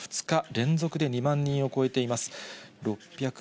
２日連続で２万人を超えています。